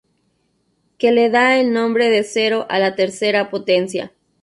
Que le da el nombre de "Cero a la tercera potencia".